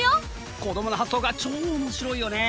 子どもの発想が超おもしろいよねえ！